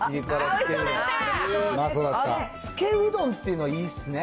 つけうどんっていうのはいいっすね。